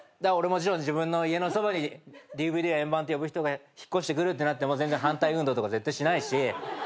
自分の家のそばにＤＶＤ円盤って呼ぶ人が引っ越してくるってなっても全然反対運動とか絶対しないしむしろ進んで挨拶する。